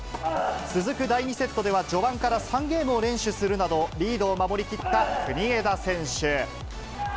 続く第２セットでは、序盤から３ゲームを連取するなど、リードを守りきった国枝選手。